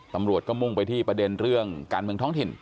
ตำรวจก็มุ่งไปที่ประเด็นเรื่องการเมืองท้องถิ่น